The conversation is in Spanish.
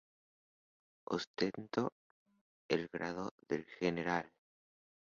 Ostentó el grado de general.